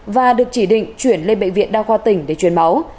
và được chỉ định chuyển lên bệnh viện đa khoa tỉnh để chuyển máu